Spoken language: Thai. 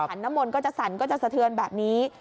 น้ำมนต์ก็จะสั่นก็จะสะเทือนแบบนี้